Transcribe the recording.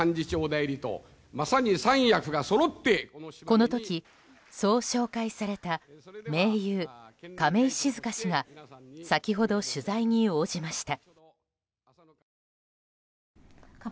この時、そう紹介された盟友、亀井静香氏が先ほど取材に応じました。